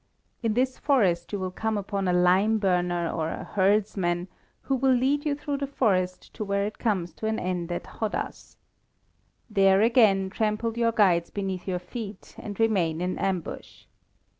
In this forest you will come upon a lime burner, or a herdsman, who will lead you through the forest to where it comes to an end at Hadház. There again trample your guides beneath your feet, and remain in ambush.